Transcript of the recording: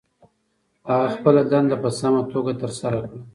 هغه خپله دنده په سمه توګه ترسره کړه.